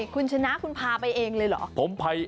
คุณชนะคุณพาไปเองเลยเหรอ